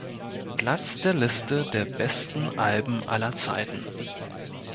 Platz der Liste der „besten Alben aller Zeiten“.